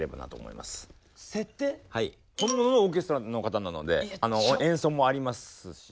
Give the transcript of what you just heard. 本物のオーケストラの方なので演奏もありますし。